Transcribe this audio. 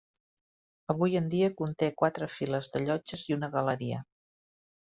Avui en dia conté quatre files de llotges i una galeria.